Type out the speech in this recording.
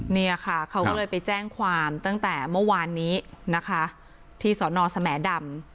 เนี่ยค่ะเขาก็เลยไปแจ้งความตั้งแต่เมื่อวานนี้นะคะที่สอนอสแหมดำ